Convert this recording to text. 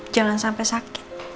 jangan sampai sakit